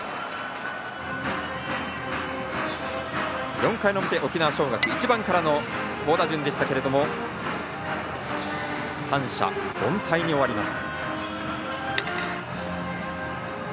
４回の表、沖縄尚学は１番からの好打順でしたが三者凡退に終わります。